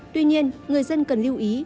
tuy nhiên người dân cần lưu ý